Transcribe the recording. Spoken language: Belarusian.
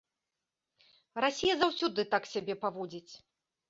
Расія заўсёды так сябе паводзіць.